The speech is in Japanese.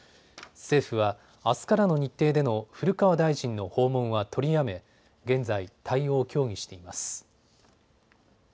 政府は、あすからの日程での古川大臣の訪問は取りやめ現在、対応を協議しています。